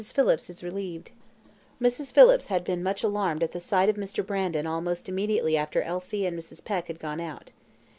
Phillips Is Relieved Mrs. Phillips had been much alarmed at the sight of Mr. Brandon almost immediately after Elsie and Mrs. Peck had gone out.